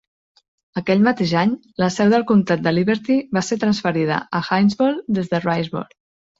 Aquell mateix any, la seu del Comtat de Liberty va ser transferida a Hinesville des de Riceboro.